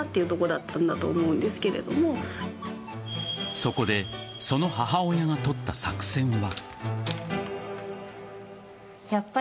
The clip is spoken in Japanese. そこでその母親が取った作戦は。